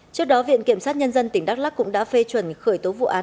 trước đó viện kiểm sát nhân dân tỉnh đắk lắc cũng đã phê chuẩn khởi tố vụ án